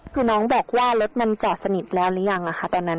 คือน้องบอกว่ารถมันจอดสนิทแล้วหรือยังคะตอนนั้น